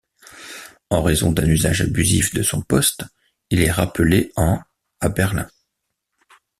En raison d'un usage abusif de son poste, il est rappelé en à Berlin.